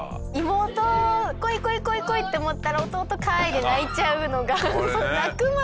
「妹来い来い来い来い」って思ったら「弟かい」で泣いちゃうのが。